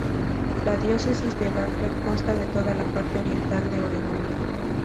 La Diócesis de Baker consta de todo la parte oriental de Oregón.